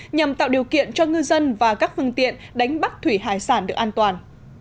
nhằm tạo điều kiện cho ngư dân và các phương tiện đánh bắt thủy hải sản được an toàn